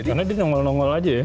karena dia nongol nongol aja ya